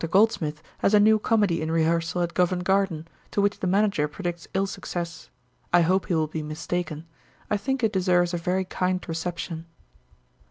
Goldsmith has a new comedy in rehearsal at Covent Garden, to which the manager predicts ill success. I hope he will be mistaken. I think it deserves a very kind reception.